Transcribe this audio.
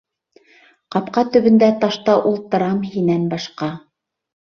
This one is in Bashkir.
Ҡапҡа төбөндә ташта Ултырам һинән башҡа...